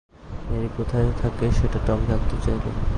Mary কোথায় থাকে সেটা টম জানতে চাইল।